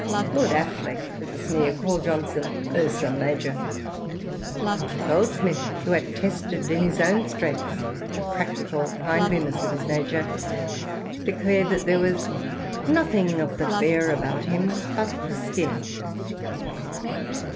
Lord leek, with a sneer, called Johnson " Ursa Major ;" xxviii INTRODUCTION. but Goldsmith, who had tested in his own straits the practical kindliness of his nature, declared that there was nothing of the bear about him but the skin."